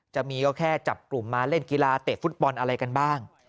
จะมีก็แค่จับกลุ่มมาเล่นกีฬาเตะฟุตบอลอะไรกันบ้าง